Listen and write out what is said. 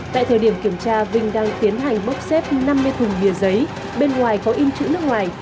tại thời điểm kiểm tra vinh đang tiến hành bốc xếp năm mươi thùng bia giấy